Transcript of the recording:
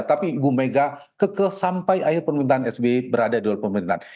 tapi ibu megawati soekarno putri kekesampai akhir pemerintahan sbi berada di luar pemerintahan